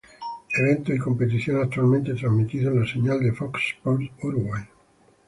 Eventos y competiciones actualmente transmitidos en la señal de Fox Sports Uruguay.